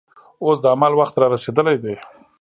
اوس د عمل وخت رارسېدلی دی.